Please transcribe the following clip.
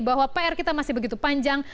bahwa pr kita masih begitu panjang